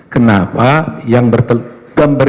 kenapa yang gambar